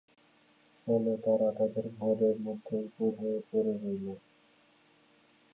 ফলে তারা তাদের ঘরের মধ্যে উপুড় হয়ে পড়ে রইল।